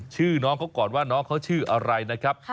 ชื่อน้องเขาก่อนว่าน้องเขาชื่ออะไรนะครับ